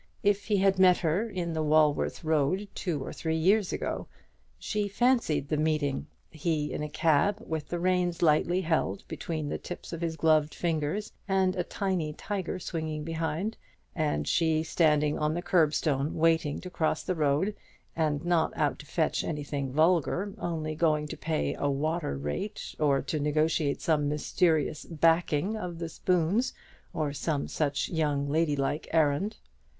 If he had met her in the Walworth Road two or three years ago; she fancied the meeting, he in a cab, with the reins lightly held between the tips of his gloved fingers, and a tiny tiger swinging behind; and she standing on the kerbstone waiting to cross the road, and not out to fetch anything vulgar, only going to pay a water rate, or to negotiate some mysterious "backing" of the spoons, or some such young ladylike errand.